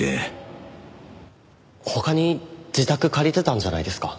他に自宅借りてたんじゃないですか。